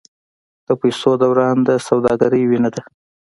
د پیسو دوران د سوداګرۍ وینه ده.